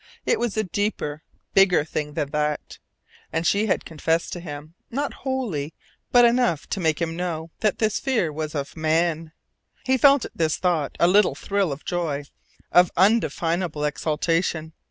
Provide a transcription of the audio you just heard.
It was a deeper, bigger thing than that. And she had confessed to him not wholly, but enough to make him know that this fear was of man. He felt at this thought a little thrill of joy, of undefinable exultation.